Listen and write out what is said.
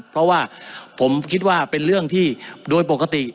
เพราะว่าผมคิดว่าเป็นเรื่องที่โดยปกติ